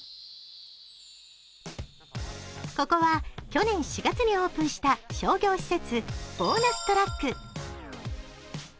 ここは去年４月にオープンした商業施設・ボーナストラック。